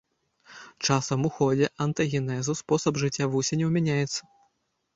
Часам у ходзе антагенезу спосаб жыцця вусеняў мяняецца.